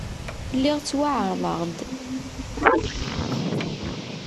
Lliɣ ttwaɛerḍeɣ-d.